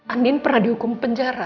andin pernah dihukum penjara